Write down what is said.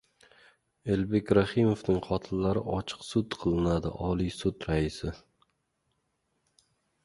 Elbek Rahimovning qotillari ochiq sud qilinadi - Oliy sud raisi